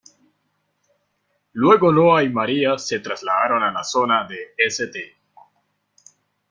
Luego Noah y María se trasladaron a la zona de St.